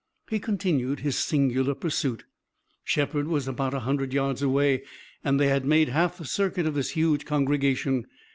He continued his singular pursuit. Shepard was about a hundred yards away, and they had made half the circuit of this huge congregation.